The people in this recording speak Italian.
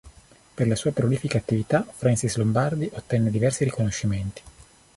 Per la sua prolifica attività, Francis Lombardi ottenne diversi riconoscimenti.